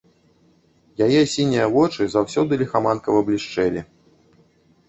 Яе сінія вочы заўсёды ліхаманкава блішчэлі.